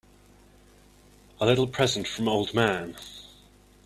A little present from old man.